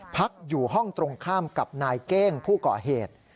พักอยู่ห้องตรงข้ามกับนายเก้งผู้ก่อเหตุ